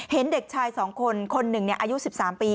เห็นเด็กชาย๒คนคนหนึ่งอายุ๑๓ปี